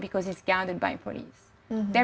karena dikawasi oleh polisi